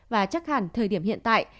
và chắc hẳn thời điểm hiện tại